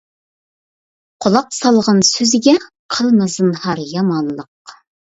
قۇلاق سالغىن سۆزىگە، قىلما زىنھار يامانلىق.